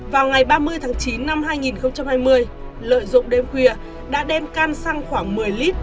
vào ngày ba mươi tháng chín năm hai nghìn hai mươi lợi dụng đêm khuya đã đem can xăng khoảng một mươi lít